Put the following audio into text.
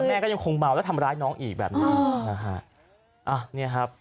แล้วแม่ก็ยังคงเบาและทำร้ายน้องอีกแบบนี้